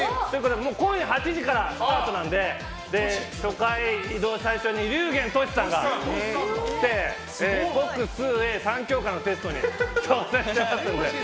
今夜８時からスタートなので初回、最初に龍玄としさんが来て国数英３教科のテストに挑戦しますので。